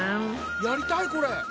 やりたいこれ！